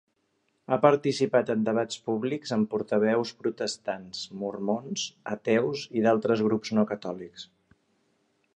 Ha participat en debats públics amb portaveus protestants, mormons, ateus i d'altres grups no catòlics.